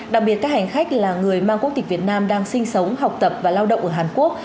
đặc biệt các hành khách là người mang quốc tịch việt nam đang sinh sống học tập và lao động ở hàn quốc